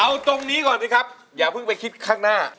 เอาตรงนี้ก่อนสิครับอย่าเพิ่งไปคิดข้างหน้า